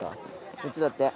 こっちだって。